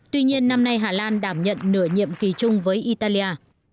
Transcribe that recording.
tuy nhiên năm nay hà lan đảm nhận nửa nhiệm kỳ chung với italia